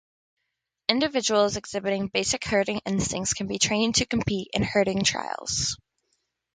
Individuals exhibiting basic herding instincts can be trained to compete in herding trials.